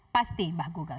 pasti mbah google